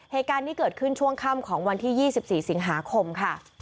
เหตุการณ์นี้เกิดขึ้นช่วงค่ำของวันที่๒๔สิงหาคมค่ะ